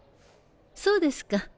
そうですか。